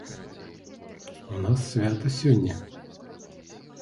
У нас свята сёння.